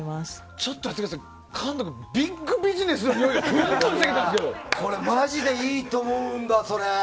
ちょっと待ってくださいビッグビジネスのにおいがこれ、マジでいいと思うんだ。